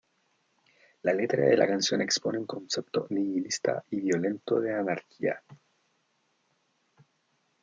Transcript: La letra de la canción expone un concepto nihilista y violento de anarquía.